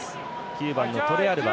９番、トレアルバ。